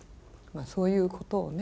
そういうことをね